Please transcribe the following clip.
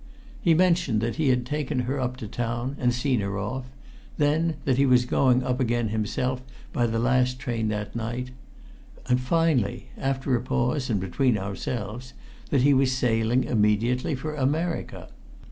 He mentioned that he had taken her up to town and seen her off; then, that he was going up again himself by the last train that night; finally after a pause and between ourselves that he was sailing immediately for America.